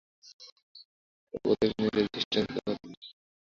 আমাদের প্রত্যেকে নিজের দৃষ্টান্তে তার প্রতিকার করলে তার পর আমরা কাজ করবার ক্ষেত্রটি পাব।